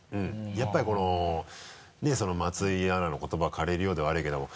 やっぱりこの松井アナの言葉を借りるようで悪いけども。